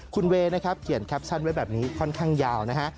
คุณเวย์นะครับเขียนแคปชั่นไว้แบบนี้ค่อนข้างยาวนะฮะ